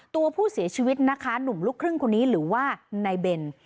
ตัวผู้เสียชีวิตนะคะหนุ่มลูกครึ่งคนนี้หรือว่านายเบน